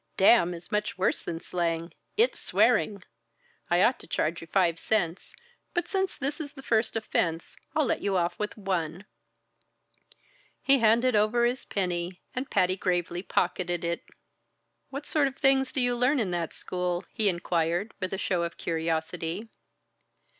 'Damn' is much worse than slang; it's swearing. I ought to charge you five cents, but since this is the first offense, I'll let you off with one." He handed over his penny, and Patty gravely pocketed it. "What sort of things do you learn in that school?" he inquired with a show of curiosity.